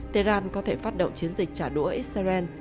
tehran có thể phát động chiến dịch trả đũa israel